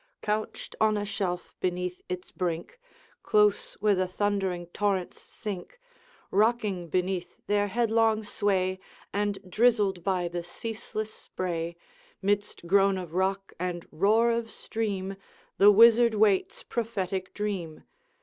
Couched on a shelf beneath its brink, Close where the thundering torrents sink, Rocking beneath their headlong sway, And drizzled by the ceaseless spray, Midst groan of rock and roar of stream, The wizard waits prophetic dream.